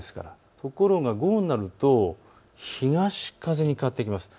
ところが午後になると東風に変わってきます。